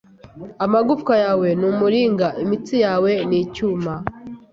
amagufwa yawe ni umuringa imitsi yawe ni icyuma